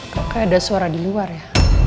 kok kayak ada suara di luar ya